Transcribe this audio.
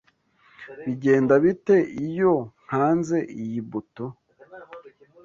Bigenda bite iyo nkanze iyi buto?